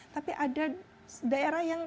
tapi ada daerah yang